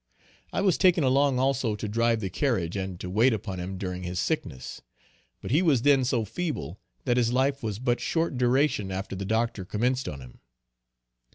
I was taken along also to drive the carriage and to wait upon him during his sickness. But he was then so feeble, that his life was of but short duration after the doctor commenced on him.